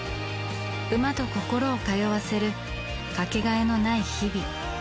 馬と心を通わせるかけがえのない日々。